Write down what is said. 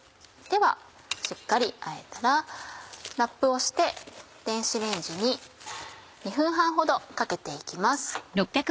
ではしっかりあえたらラップをして電子レンジに２分半ほどかけて行きます。